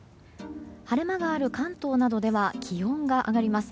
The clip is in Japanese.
晴れ間がある関東などでは気温が上がります。